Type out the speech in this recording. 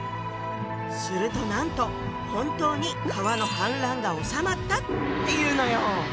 するとなんと本当に川の氾濫がおさまったっていうのよ！